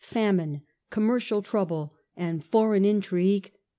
FAMINE, COMMERCIAL TROUBLE, AND FOREIGN INTRIGUE.